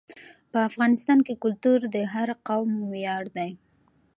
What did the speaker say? په افغانستان کې کلتور د هر قوم ویاړ دی.